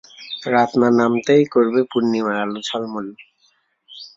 রাত না নামতেই করবে পূর্ণিমার আলো ঝলমল।